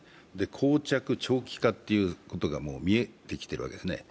こう着、長期化ということが見えてきてるわけですね。